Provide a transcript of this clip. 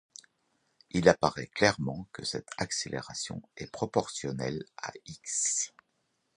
Il apparaît clairement que cette accélération est proportionnelle à x.